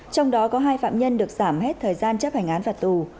trong đó có hai phạm nhân được giảm hết thời gian chấp hành án phạt tù